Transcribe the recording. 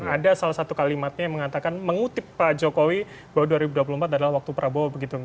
ada salah satu kalimatnya yang mengatakan mengutip pak jokowi bahwa dua ribu dua puluh empat adalah waktu prabowo begitu